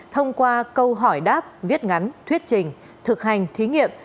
thông qua câu hỏi đáp viết ngắn thuyết trình thực hành thí nghiệm